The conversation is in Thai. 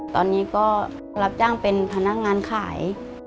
ตอนนี้ก็รับจ้างเป็นพนักงานขาย